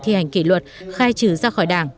thi hành kỷ luật khai trừ ra khỏi đảng